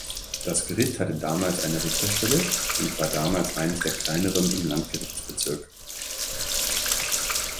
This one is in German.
Das Gericht hatte damals eine Richterstelle und war damals eines der kleineren im Landgerichtsbezirk.